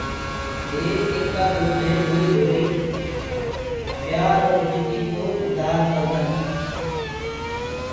وي ايڪآ دو دي دوئيٚ ڌُري پيآر اور اِجتي ڪو اجهآر ڪردآ هين۔